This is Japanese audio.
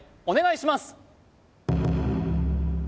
お願いします